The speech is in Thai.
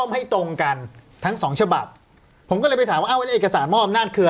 ไม่ตรงกันทั้ง๒ฉบับผมก็ไปถามว่าเอกสารมอบอำนาจคือ